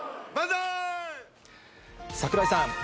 櫻井さん。